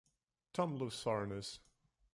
Tom loves foreigners.